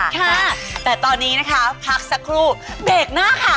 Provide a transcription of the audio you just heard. ค่ะแต่ตอนนี้นะคะพักสักครู่เบรกหน้าค่ะ